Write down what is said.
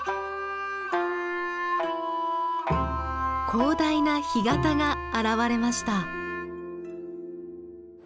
広大な干潟が現れました。